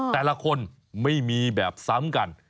แต่ละคนไม่มีแบบซ้ำกัน